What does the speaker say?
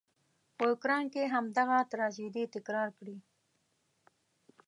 په اوکراین کې همدغه تراژيدي تکرار کړي.